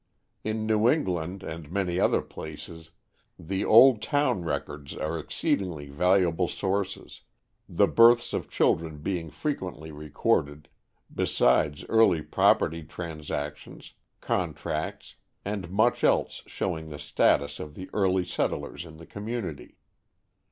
In New England and many other places, the old town records are exceedingly valuable sources, the births of children being frequently recorded, besides early property transactions, contracts, and much else showing the status of the early settlers in the community.